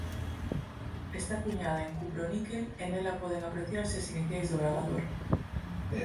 Está cuñada en cuproníquel e nela poden apreciarse as iniciais do gravador.